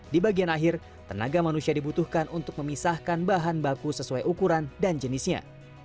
di bagian akhir tenaga manusia dibutuhkan untuk memisahkan bahan baku sesuai ukuran dan jenisnya